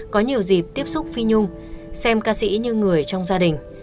có nhiều dịp tiếp xúc phi nhung xem ca sĩ như người trong gia đình